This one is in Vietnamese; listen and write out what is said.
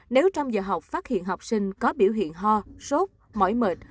nếu trong giờ học phát hiện học sinh có biểu hiện ho sốt mỏi mệt